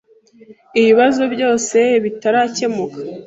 Ibibazo byose bitarakemuka.